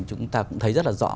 chúng ta cũng thấy rất là rõ